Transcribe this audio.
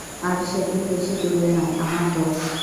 আর সেদিন বেশি দূরে নয় আমার দোস।